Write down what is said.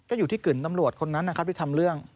ก็อยู่ที่กึ่งตำรวจคนนั้นนะครับที่ทำเรื่อง